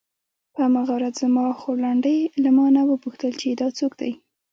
په هماغه ورځ زما خورلنډې له مانه وپوښتل چې دا څوک دی.